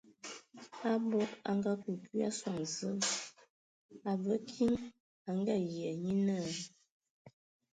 Abog a ngakǝ kwi a sɔŋ Zǝə, a və kiŋ, a Ngayia, nye naa.